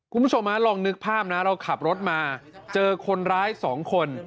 คุณผู้ชมลองนึกภาพนะเราขับรถมาเจอคนร้ายสองคน